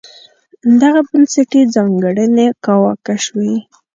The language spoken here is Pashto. دغه بنسټي ځانګړنې کاواکه شوې.